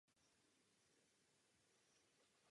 Tento návrh zavání skrytým protekcionismem!